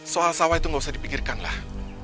soal sawah itu nggak usah dipikirkan lah